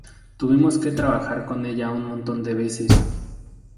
Tuvimos que trabajar con ella un montón de veces.